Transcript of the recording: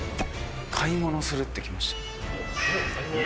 買い物するってきました買い物？